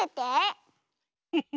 フフフ。